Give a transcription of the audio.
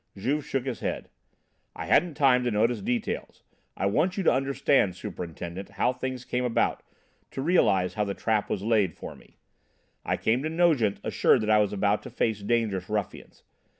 Juve shook his head. "I hadn't time to notice details. I want you to understand, Superintendent, how things came about, to realise how the trap was laid for me.... I came to Nogent, assured that I was about to face dangerous ruffians.